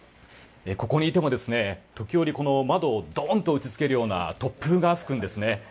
ここにいても、時折窓をドーンと打ち付けるような突風が吹くんですね。